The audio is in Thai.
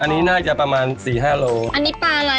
อันนี้ปลาอะไรอะคะ